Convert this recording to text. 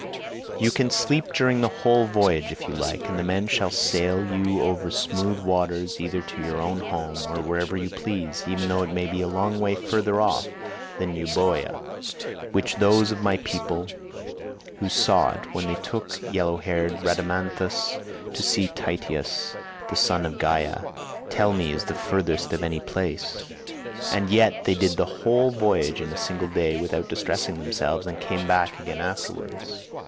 You can sleep64 during the whole voyage if you like, and the men shall sail you over smooth waters either to your own home, or wherever you please, even though it be a long way further off than Euboea, which those of my people who saw it when they took yellow haired Rhadamanthus to see Tityus the son of Gaia, tell me is the furthest of any place—and yet they did the whole voyage in a single day without distressing themselves, and came back again afterwards.